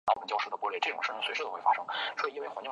芝加哥棒球俱乐部。